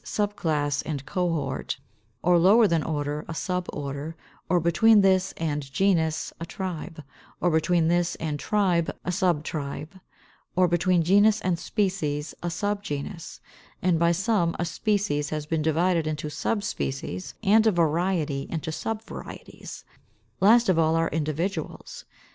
Subclass and Cohort; or lower than order, a Suborder; or between this and genus, a Tribe; or between this and tribe, a Subtribe; or between genus and species, a Subgenus; and by some a species has been divided into Subspecies, and a variety into Subvarieties. Last of all are Individuals.